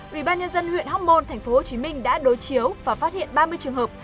ủy ban nhân dân huyện hóc môn tp hcm đã đối chiếu và phát hiện ba mươi trường hợp